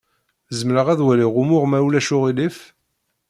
Zemreɣ ad waliɣ umuɣ, ma ulac aɣilif?